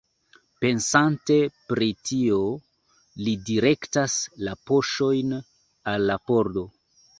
Pensante pri tio, li direktas la paŝojn al la pordo.